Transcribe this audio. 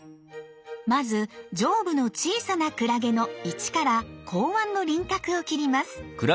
まず上部の小さなクラゲの１から口腕の輪郭を切ります。